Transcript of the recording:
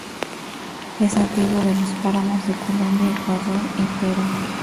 Es nativo de los páramos de Colombia, Ecuador y Perú.